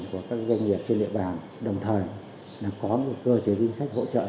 của các doanh nghiệp trên địa bàn đồng thời có một cơ chế viên sách hỗ trợ